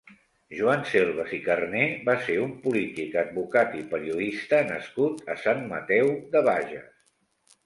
Joan Selves i Carner va ser un polític, advocat i periodista nascut a Sant Mateu de Bages.